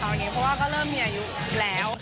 เพราะว่าก็เริ่มมีอายุแล้ว